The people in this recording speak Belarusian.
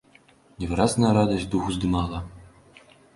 Невыразная радасць дух уздымала.